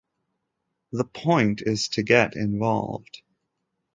The point is to get involved.